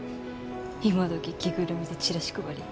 今どき着ぐるみでチラシ配り？